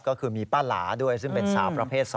ก็คือมีป้าหลาด้วยซึ่งเป็นสาวประเภท๒